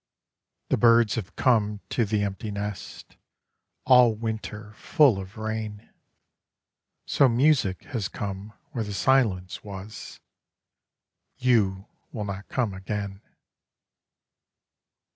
The birds have come to the empty nest, All winter full of rain; So music has come where the silence was: You will not come again.